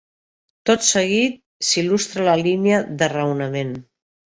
Tot seguit s'il·lustra la línia de raonament.